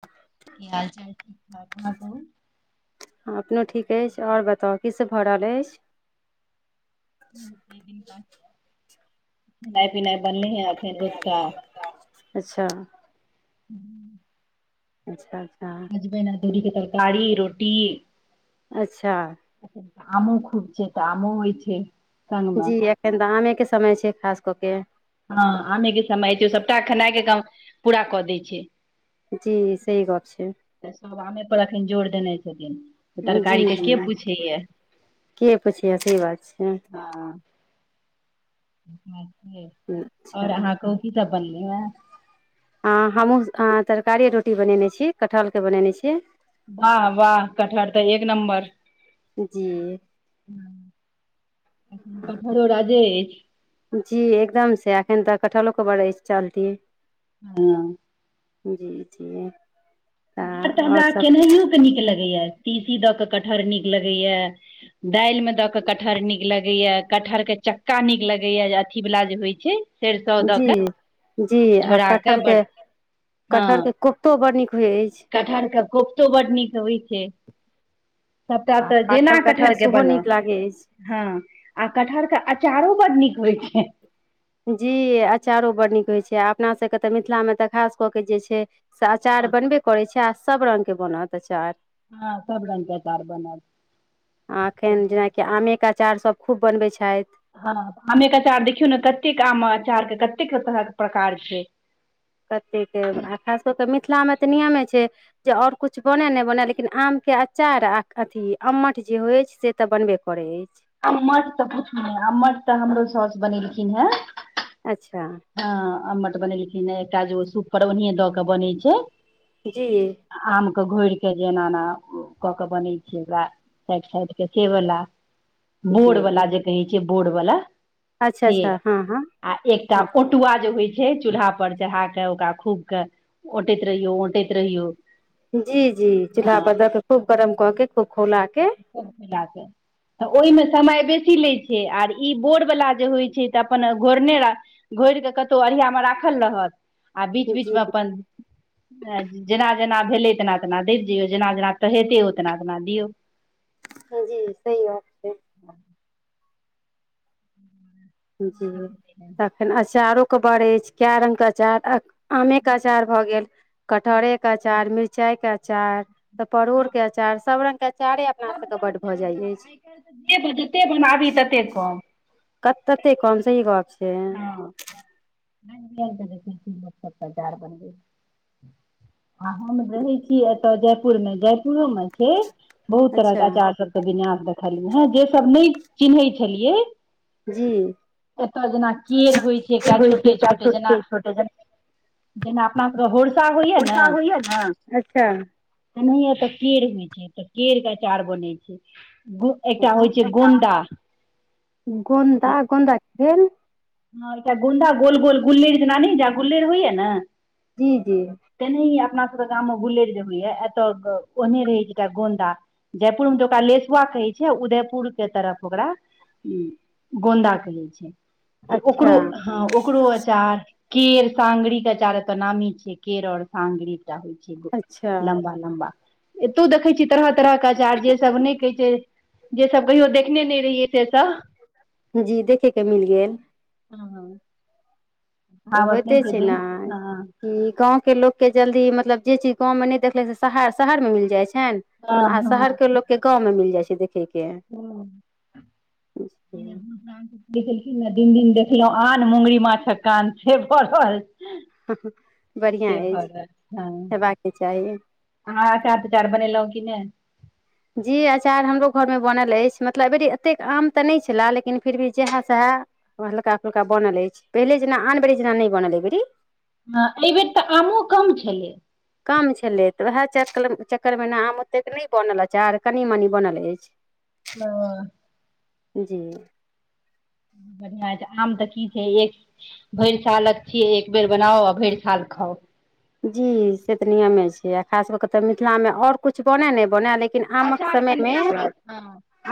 [inaudible] कि हाल चाल ठीक ठाक आहा, कहू। है अपनो ठीक अछि और बताउ कि से भऽ रहल अछि खेनाइ पिनाइ बनलहे एथीन है रौतका अच्छा अच्छा, अच्छा। सजमैन अदौड़ी के तरकारी रोटी। अच्छा आमो खुब छैय त, आमो होइ छैय जी एखन त आमे के समय छै खास कऽ के ह आमे के समय छै सभटा खेनाइ के काम पूरा कऽ दै छै जी सही गप छै तऽ सभ आमे पर एखन जोर देने छथिन तऽ तरकारी जी के के पूछैया के पुछय सही बात छै आ अच्छा ओर अहाँ कहू कि सभ बनले हए हँ हमहूँ तरकारीए रोटी बनेने छी कटहरके बनेने छी। वाह वाह कटहर तऽ एक नंबर जी कटहरो राजे अछि जी एकदम से एखन तऽ कटहलो बड़ अइछ चलती ह जी तऽ कटहर त आओर हमरा सब केनाहिय ओके नीक लगैए तीसी दऽ कऽ कटहर नीक लगैए दालि मे दऽ कटहर नीक लगैया कटहर के चक्का नीक लगैया अथी वला जे होइ छै सरिसो दऽ के जी आ झोरा कटहर बड के कटहर हँ के। कोफ्तो बड़ नीक होइत अछि। कटहर के कोफतो बड़ नीक होइ छै सभटा आ तऽ जेना पाकल कटहर कटहरके सेहो बनल। नीक लागै अछि ह आ कटहर के अचारो बड्ड नीक होइ छै जी अचारो बड़ नीक होइ छै अपना सभके तऽ मिथिलामे तऽ खास कऽ के जे छै। अचार बनबे करैत छै आ सभ रंगके बनत अचार हँ सब रंग के अचार बनल एखन जेनाकि आ क अचार सभ खूब बनबै छथि। ह आमेक अचार देखियौ ने कतेक आम अचार के कतेक तरहक प्रकार छै। कतेक आ खास कऽ मिथिलामे तऽ नियमे छै जे और कुछ बनय नहि बनय लेकिन आम के अचार अथी अम्मठ जे होइ छै से त बनबे कर पड़ै अछि। आ तऽ पूछल आमठ तऽ हमरो सौस बनेलखिन हे अच्छा। ह अमट बनेलखिन ह एक काजगो सूप पर ओन दऽ के बनै छै जी। आम के घोर के जे एना एना कऽ के बनै छै ओकरा साइड साइड के सेवला बोर्ड वाला जी जे कहै छै बोर्ड वाला अच्छा से अच्छा हँ हँ आ एकटा ओ अच्छा तुआ जे होइ छै चूल्हा पर चढ़ा के ओकरा खूब के औटैत रहियौ औटैत रहियौ। जी चूल्हा हँ पर दर के खूब गरम कर के खूब खौला के मिलाक तऽ ओहिमे समय बेसी लैत छै आर ई बोर वाला जे होइ छै तऽ अपन घोरने र घोर कऽ कतहु अढ़ियामे राखल रहत आ बीच जी बीच मे अपन जेना जेना भेलै तेना तेना देब जइयौ जेना जेना तटहेते ओ तना तेना दियौ जी जी सही [inaudible] जी त फेन अचारो के बड़ अछि कए रंग के अचार आमे के अचार भऽ गेल कटहरे के अचार मिरचाई के अचार त परोड़ के अचार सभ रंग के अचारे अपना सभ सभके रंग बड्ड के भऽ जाइत बजार अछि आइ काल्हि जते बनाबी तते कम कत तते कम सही गप छै। तऽ देख स्तर चार बन आ हम रहे छी एतय जयपुर मे जयपुरो मे छै बहुत तरह के अच्छा अचार सभ विन्यास देखलियै ह जे सभ नहि चिन्है छलियै जी एतय जेना केरड़ होइ छै एकटा होइ छै छोटे एकटा छोटे जेना। छोटे जेना जेना अपना सभके होरसा होइय ने गोनसा होइया ने अच्छा एनयत केरड़ होइ छै तऽ केरड़ के अचार बनै छै एकटा होइ छै गोन्दा गोन्दा गोन्दा कऽ भेल हटा गोन्द गोल गोल गुले नानी जा गुलेर होइया ने जी जी। तेनाहि अपना सभके गाम मे गुलेर जे होइएा एतय ओहने रहै छैटा गोन्दा। जयपुरमे तऽ ओकरा लेसुआ कहै छै उदयपुर के तरफ ओकरा। गोन्दा कहै छै तऽ अच्छा ओकरो। हँ ओकरो अचार केर सांगरी के आचार एत नामी छिय केरड़ और सांगरी। होइ छै, अच्छा लम्बा लम्बा। एतौ देखै छियै तरह तरहके अचार जे सभ नहि कहै छै जे सभ कहियो देखने नहि रहियै से सभ जी देखे कऽ मिल गेल ह ह त होइते छै ने दिन हँ ई गाव के लोकके जल्दी मतलब जे चीज गाव मे नहि देखले से शहर शहर मे मिल जाइ छनि हँ आ शहर हँ के लोको के गाव मिल जाय छै देखे के ओ। देखेलखिन ने दिन दिन देखलहुँ आन मुगरी माछ कऽ कान छै पड़ल हु हु बढ़िआ अछि हँ हेबाके चाही अहाँ अचार तचार बनेलहुँ कि ने जी अचार हमरो घरमे बनल अछि मतलब अबीरी एतेक आम तऽ नहि छलए लेकिन फिर भी जएह सएह। ओ हल्का फुल्का बनल अछि पहिले जेना आन बेरी जेना नहि बनल अइ बेरी। ह एहिबेर तऽ आमो कम छलै कम छलै तऽ उएह चक चक्करमे न आम ओते कऽ नहि बनल अछि आर कनि मनी बनल अछि [inaudible] ह। जी। बढ़िआ होइ छै आम तऽ कि छै एक भरि सालक छियै एक बेर बनाउ आ भरि साल खाउ। जी से तऽ नियमे छै आ खास के तऽ मिथिला मे ओर कुछ बनए नहि बने लेकिन लेकिन आम कऽ समय मे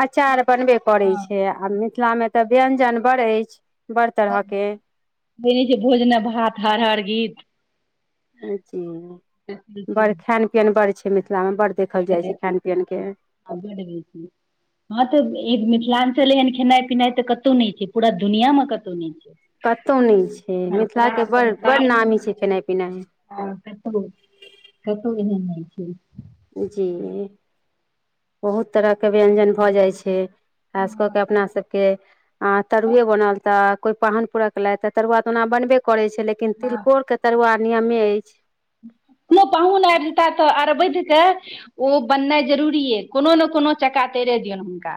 अचार बनबे करे हँ छै आ मिथिला मे तऽ व्यंजन बड़ अछि बड़ तरह के। फ्रेज भोज न भात हर हर गीत। जी बड बेसी बड़ हँ खान पियन बड़ छै मिथिला मे बड़ देखल जाइ छै खान पियन के। [unintelligible] हँ तऽ इ मिथिलाञ्चल एहन खेनाइ पिनाइ त कतहु नहि छै पूरा दुनिया मे कतहु नहि छै कतहु नहि छै मिथिला के बड़ बड़ नामी छै खेनाई पिनाई आ कतहु कतहु एहन नहि छै। जी बहुत तरह के व्यंजन भऽ जाइ छै। खास कऽ के अपना सभके अ तरुए बनल तऽ कोई पाहन परक एलथि त तरुआ तऽ ओना बनबे करै छै लेकिन तिलकोर के तरुआ नियमे अछि मने पाहुन आबि जता तऽ अरबै के उऽ बननाइ जरूरी ए कोनो ने कोनो चक्का तैरे दियौन हुनका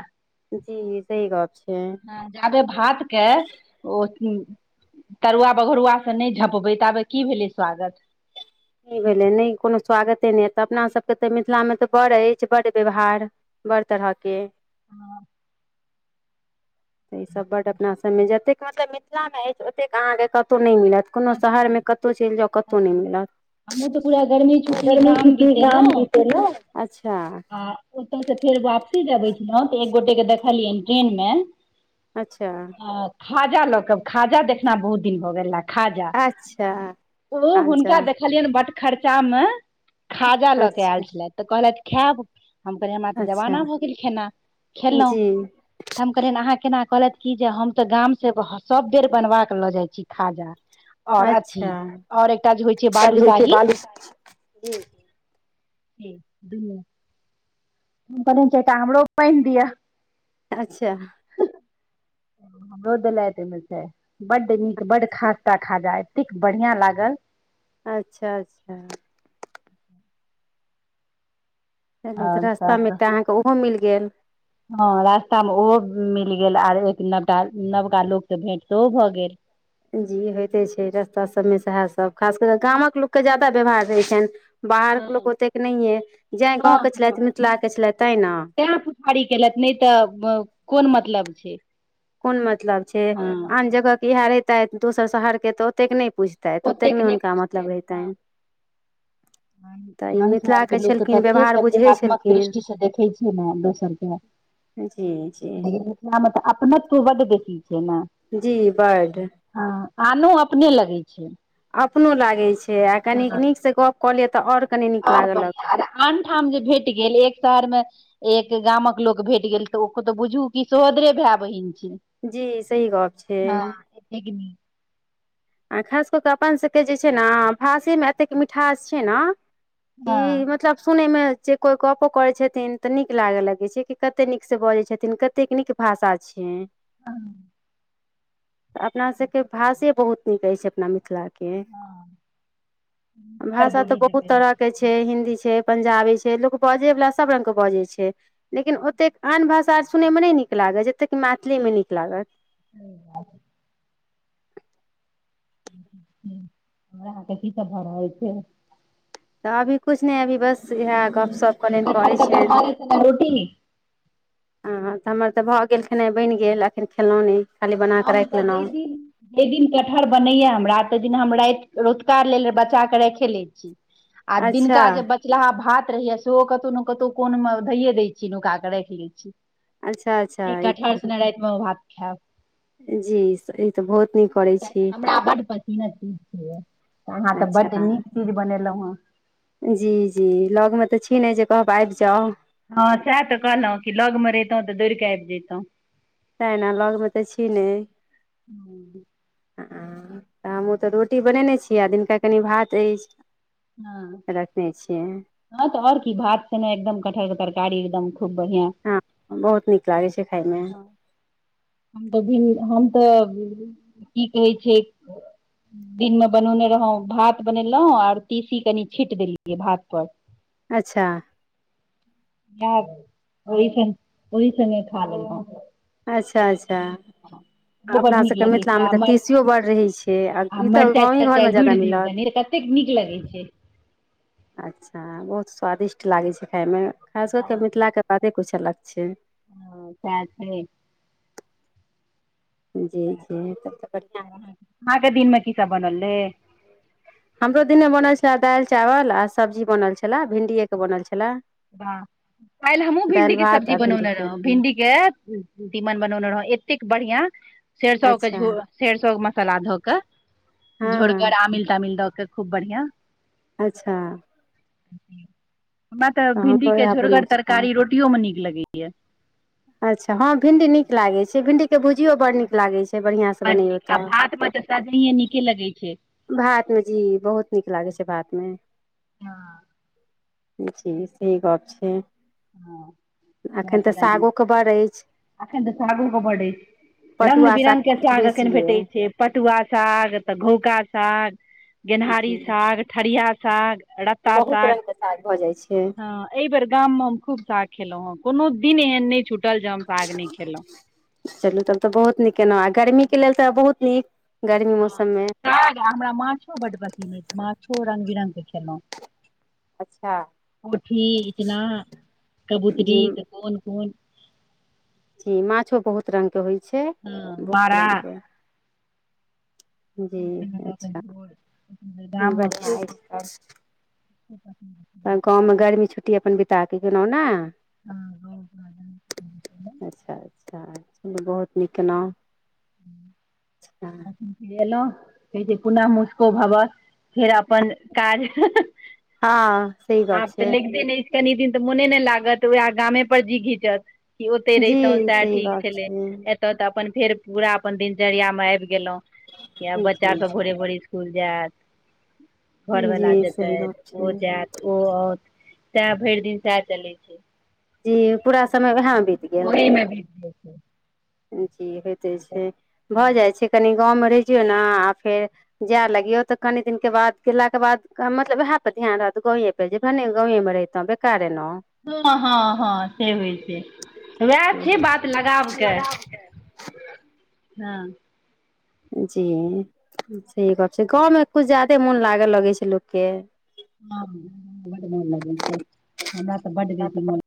जी ई सही गप छैै जाबे भात के ओ अथि तरुआ बगरुआ सँ नै झपबै ताबे की भेलै स्वागत ई भेलै नै कोनो स्वागते नै हेत अपना सभके तऽ मिथिला मे तऽ बड अछि बड़ व्यवहार बड़ तरहऽ के हँ तऽ ईसभ बड्ड अपना सभ मे जतेक मतलब मिथिला मे अछि ओतेक अहाँकेँ कतहु नै मिलत कोनो शहर मे कतौ चलि जाउ कतौ नै मिलत हमहूँ तऽ पूरा गर्मी छुट्टी गर्मी गाम छुट्टी गाम जे बितेलहुँ गेलौं अच्छा आ ओतय से फेर वापसी जे अबैछलहुँ तऽ एक गोटे के देखलियनि ट्रेन मे अच्छा अ खाजा लऽ क खाजा देखना बहुत दिन भऽ गेल ला खाजा अच्छा ओ हुनका अच्छा देख लियैन बट खर्चा मे खाजा लऽ के आयल अच्छा छलथि तऽ कहलथि खायब हम कहलिए हमरा तऽ अच्छा जबाना भऽ गेल खेना खेलौंह जी तऽ हम कहलियनि अहाँ केना कहलथि कि जे हम तऽ गाम से सभ बेर बनवा क लऽ जाइ छी खाजा आओर अथी अच्छा आओर एकटा जे होइ छै काज होइ छै बालूशाही बालू ई दूनू [unintelligible] अच्छा हमरो देलथि ओय मे से बड नीक बड खास्ता खाजा एतेक बढ़िया लागल अच्छा अच्छा चलू तऽ रस्ता मे आओर एकटा अहाँके ओहो मिल गेल। हँ रास्ता मे ओहो मिल गेल आर एक नव नवका लोक से भेंटो सेहो भए गेल। जी होइते छै रास्ता सभमे सएहसभ खास कर कऽ गामक लोक के ज्यादा व्यवहार रहै छनि। हँ बाहरके लोक ओतेक नहिये जैं हँ गाँव के हँ छलथि मिथिला के छलथि तें ने। [unintelligible] केलथि नहि तऽ कोन मतलब छै। कोन मतलब छै हँ आन जगह के इएह रहितै दोसर शहर के तऽ ओतेक नै पुइछ तैथ ओतेक नय हुनका मतलब रहितैन। मंसहार के लोक के तते बुझै सन्देहात्मक छलखिन दृष्टि से देखैत छै ने दोसर के। जी जी। लेकिन मे तऽ अपनत्व बड बेसि छै ना। जी बड हँ आनो अपने लगै छै। अपनो लागै छै आ कनी नीक से गप क लिय त आओर। कनि नीक आर लागऽ लगत बढ़िआँ आन ठाम जे भेट गेल एक शहरमे। एक गामक लोक भेट गेल त ओत बुझू कि सोहोदरे भाय बहिन छै। जी सही गप छै। [unintelligible] आ खास कऽ कऽ अपनसभके जे छै ने भासेमे एतेक मिठास छै ने। हँ सब सुनैमे जे कोइ गपो करै छथिन तऽ नीक लाग लगै छै कि कते नीकसँ बजै छथिन कत। कतेक नीक भाषा छय। आ अपना सब के भाषे बहुत नीक अछि अपना मिथिला के। के बड़ भाषा त बोली जे बहुत कहै तरह के छै। छै हिन्दी छै पंजाबी छै लोक बजै वला सब रंग के बजै छै। लेकिन ओतेक आन भाषा सुनय मे नहि नीक लागत जतेक मैथिलीमे नीक लागत। [inaudible] [unintelligible] सब भ रहल छै। त अभी कुछ नय अभी बस इहे गप सप कहलियनि करैछियनि। रोटी हँ तऽ हमर तऽ भऽ गेल खेनाइ बनि गेल एखन खेलहुँ नहि खाली बना कऽ राखि लेलउ। जै दिन कटहर बनैया हमरा तहि दिन हम राति रतुका लेल बचा कऽ राखे लै छी। आ अच्छा दिनका जे बच लाहा भात रहैया सेहो कतौ न कतौ कोन मे धैये दय छी नुका के राखि लै छी। अच्छा अच्छा एकठा ठैर सने राति मे ओ भात खैयब। जी ई तऽ बहुत नीक करै छी हमरा बढ पसीना चुबय यै। त अहाँ त बड अच्छा नीक चीज बनेलहुँ हेँ। जी जी लग मे त छी नय जे कहब आबि जाउ। हँ सएह तऽ कहलहुँ कि लग मे रहितहुँ तऽ दौड़ कऽ आबि जैतौंह तै ना लगमे तऽ छी नय हूं आ हमहू तऽ रोटी बनेने छी आ दिनका कनि भात अछि। हं रखने छियै हँ तऽ और की भात सने एकदम कटहर के तरकारी एकदम खूब बढ़ियां। हँ बहुत नीक लागैय छै खायमे। हम तऽ भिन हम तऽ की कहै छै दिन मे बनौने रहौ भात बनेलहुँ आओर तीसी कनि छीट देलियै भात पर अच्छा यार ओहि सने ओहि सने खा लेलौं अपन अच्छा अच्छा। आ ओहो बड अपना नीक सभ के लगै मिथिला छै मे आ तऽ मर तीसियो बड रहै छै आ ई तऽ मरचाइ गाँव घर तरचाइ मे ज्यदा गुड़ि दियौ मिलत कनि कतेक नीक लगै छै अच्छा बहुत स्वादिष्ट लागै छै खायमे खास कऽ कऽ मिथिला के बाते कुछ अलग छै हँ सेह छै जी जी तब तऽ बढ़िया आहांके दिनमे की सब बनल रहै हमरो दिने मे बनल छले दालि चावल आ सब्जी बनल छले भिण्डीए के बनल छले वाह काल्हि हमहूँ भिंडीके सब्जी आ बनौने भिंडीके रहौ भिंडीके तीमन बनौने रहौ एतेक बढ़ियां सेरसो के अच्छा झो सेरसो के मसाला धऽ कऽ हँ हँ झोरगर आमिल तामिल दऽ के खूब बढ़िआं अच्छा हमरा तऽ हमरो भिणडीके इएह बनल झोरगर छलए तरकारी रोटियोमे नीक लगैया अच्छा हँ भिंडी नीक लागै छै भिंडीके भुजियो बड नीक लागै छै बढ़िआँ सँ बड बनैयौ नीक आ तऽ [unintelligible] नीके लगै छै भात मे जी बहुत नीक लागै छै भात मे हँ जी सही गप छै हं एखन तऽ सागोके बड़ अछि [unintelligible] रंग पटुआ बिरंग के किछु साग बेसी एखन भेटै अइ छै पटुआ साग तऽ घौका साग गेनहारी जी साग ठरिया साग बहुत रंग के साग भऽ जाइ छै एहि बेर गाम मे हम खूब साग खेलहुॅं हें कोनो दिन एहन नहि छुटल जे हम साग नहि खेलौं चलू तब तऽ बहुत नीक केेलहुँ आ गर्मी के लेल तऽ बहुत नीक गर्मी मौसम मे हमरा माछो बड पसंद अछि माछो रंग बिरंग के खेलहुं अच्छा कोठी इचना कबूतरी जी तऽ कोन कोन जी माछो बहुत रंग के होइ छै हँ बहुत रंग मारा के जी अच्छा [unintelligible] बढ़िआँ अछि तब प [unintelligible] गाँवमे गर्मी छुट्टी अपन बिताके गेलौं ने ह ग ग्ड [unintelligible] अच्छा अच्छा चलू बहुत नीक केलौं अच्छा एलहुं फेर कहै छै पुनः मुस्को भवह फेर अपन काज हँ सही गप आब तऽ छै लैगते नहि कनि दिन तऽ मोने नय लागत उह गामे पर जी घिचत कि ओतै रहितौं जी सएह सही ठीक गप छलै छै त त अपन फेर पूरा अपन दिनचर्या में आबि गेलौं या जी बच्चा जी सब भोरे भोरे इसकुल जायत घरवला जी सही जेतैथ गप ओ छै जायत ओ आउत सएह भरि दिन सएह चलै छै जी पूरा समय वेहे मे बीत गेल ओहि मे भी छै जी होइते छै भऽ जाइ छै कनि गाँवमे रहि जियौ ने आ फेर जाय लगियौ तऽ कनि दिन के बाद गेलाक के बाद मतलब वएह पर ध्यान रहत गांवे पर भने गांवे मे रहितौ बेकार एलौं हँ हँ से होइ छै उएह से छी होइ बात लगाबके छै। हँ जी सही बात छै गाँव मे कुछ ज्यादे मोन लागे लगै छै लोक के हं बड मोन लगै छै हमरा तऽ बड बेसी मोन